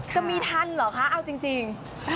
จะมีทันเหรอคะเอาจริง